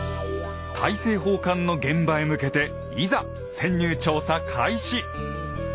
大政奉還の現場へ向けていざ潜入調査開始！